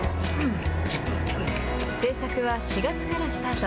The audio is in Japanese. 製作は４月からスタート。